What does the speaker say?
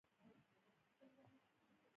ایا کېدای شي اروپایان له دې امله غوره وګڼو؟